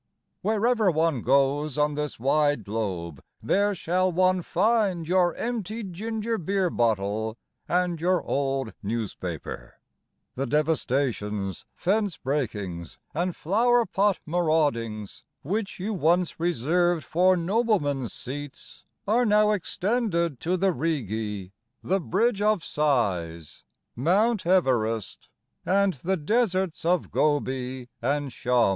Wherever one goes On this wide globe There shall one find Your empty ginger beer bottle and your old newspaper; The devastations, Fence breakings, And flower pot maraudings Which you once reserved for noblemen's seats Are now extended to the Rigi, The Bridge of Sighs, Mount Everest, And the deserts of Gobi And Shamo.